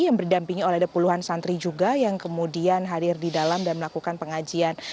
yang berdampingi oleh puluhan santri juga yang kemudian hadir di dalam dan melakukan pengajian